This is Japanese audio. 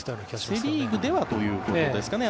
セ・リーグではということですかね。